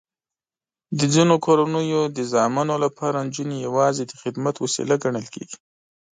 د ځینو کورنیو د زامنو لپاره نجونې یواځې د خدمت وسیله ګڼل کېږي.